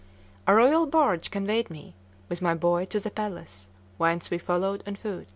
A royal barge conveyed me, with my boy, to the palace, whence we followed on foot.